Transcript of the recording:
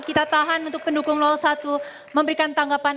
kita tahan untuk pendukung satu memberikan tanggapan